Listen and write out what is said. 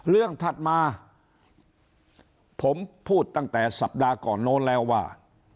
ถัดมาผมพูดตั้งแต่สัปดาห์ก่อนโน้นแล้วว่า